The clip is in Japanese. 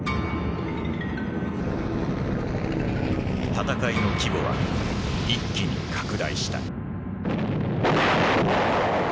戦いの規模は一気に拡大した。